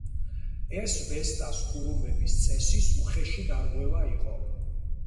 ეს ვესტას ქურუმების წესის უხეში დარღვევა იყო.